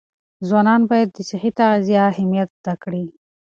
ځوانان باید د صحي تغذیې اهمیت زده کړي.